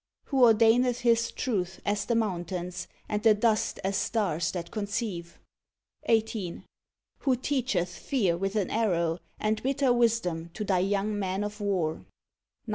Who ordaineth His truth as the mountains, and the dust as stars that conceive; 18. Who teacheth fear with an arrow, and bitter wisdom to thy young men of war; 19.